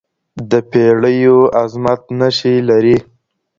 د پېړیو عظمت نښي لري